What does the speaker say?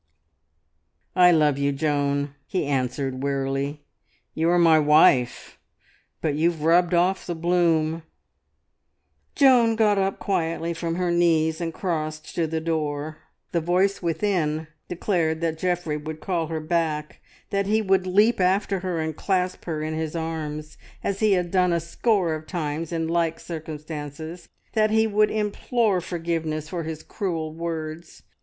"I love you, Joan," he answered wearily. "You are my wife; but you've rubbed off the bloom!" Joan got up quietly from her knees and crossed to the door. The voice within declared that Geoffrey would call her back, that he would leap after her and clasp her in his arms, as he had done a score of times in like circumstances, that he would implore forgiveness for his cruel words.